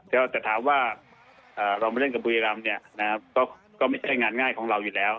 ก็จะถามว่าอ่าเรามาเล่นกับบุยรำเนี้ยนะครับก็ก็ไม่ใช่งานง่ายของเราอยู่แล้ว